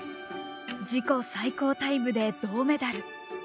自己最高タイムで、銅メダル。